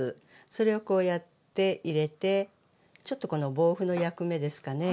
それをこうやって入れてちょっとこの防腐の役目ですかね。